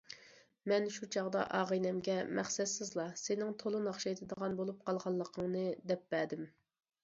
مەن شۇ چاغدا ئاغىنەمگە مەقسەتسىزلا سېنىڭ تولا ناخشا ئېتىدىغان بولۇپ قالغانلىقىڭنى دەپ بەردىم.